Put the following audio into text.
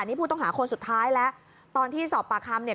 นี่ผู้ต้องหาคนสุดท้ายแล้วตอนที่สอบปากคำเนี่ย